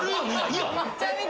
いや。